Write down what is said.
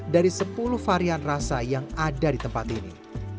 dari sepuluh varian rasa yang ada di tempat ini